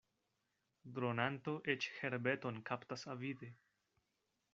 Dronanto eĉ herbeton kaptas avide.